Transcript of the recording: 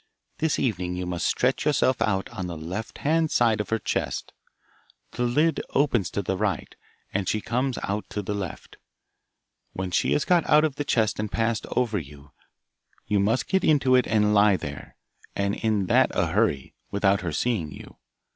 This evening you must stretch yourself out on the left hand side of her chest. The lid opens to the right, and she comes out to the left. When she has got out of the chest and passed over you, you must get into it and lie there, and that in a hurry, without her seeing you.